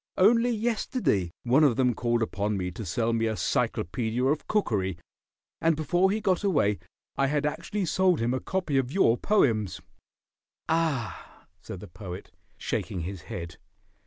Only yesterday one of them called upon me to sell me a Cyclopedia of Cookery, and before he got away I had actually sold him a copy of your poems." "Ah," said the Poet, shaking his head.